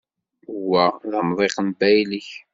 Wa d amḍiq n baylek.